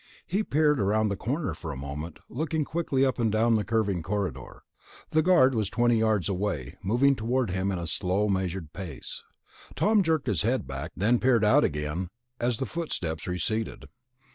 He peered around the corner for a moment, looking quickly up and down the curving corridor. The guard was twenty yards away, moving toward him in a slow measured pace. Tom jerked his head back, then peered out again as the footsteps receded.